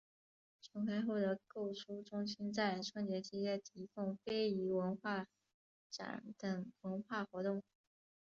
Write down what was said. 重开后的购书中心在春节期间提供非遗文化展等文化活动。